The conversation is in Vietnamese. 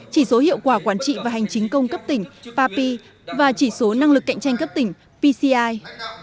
chỉ số hiệu quả quản trị và hành chính công cấp tỉnh papi và chỉ số năng lực cạnh tranh cấp tỉnh pci